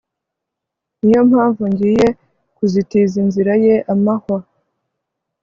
ni yo mpamvu ngiye kuzitiza inzira ye amahwa